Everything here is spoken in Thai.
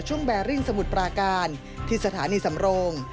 แบริ่งสมุทรปราการที่สถานีสำโรง